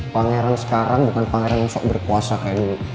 pangeran sekarang bukan pangeran yang sok berkuasa kaya dulu